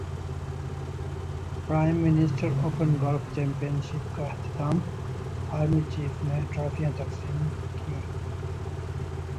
prime minister open golf championship کا اختتام army chief نے ٹرافیاں تقسیم کیں